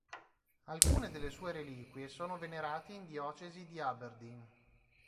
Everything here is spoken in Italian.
Alcune delle sue reliquie sono venerate in diocesi di Aberdeen.